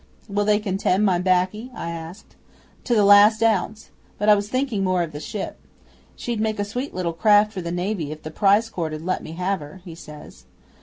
'"Will they condemn my 'baccy?" I asks. '"To the last ounce. But I was thinking more of the ship. She'd make a sweet little craft for the Navy if the Prize Court 'ud let me have her," he says.